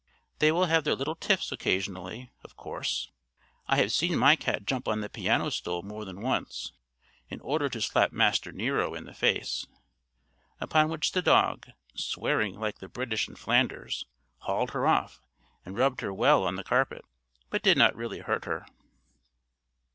They will have their little tiffs occasionally, of course. I have seen my cat jump on the piano stool more than once, in order to slap Master Nero in the face; upon which the dog, swearing like the British in Flanders, hauled her off, and rubbed her well on the carpet, but did not really hurt her.